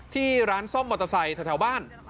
ที่ร้านซ่อมมอเตอร์ไซค์แถวบ้าน